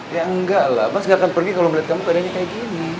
ya enggak lah mas gak akan pergi kalau melihat kamu keadaannya kayak gini